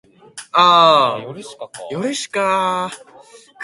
With seven Axis divisions, air and naval units, of supplies per month were needed.